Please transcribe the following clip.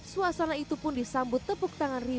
suasana itu pun disambut tepuk tangan ria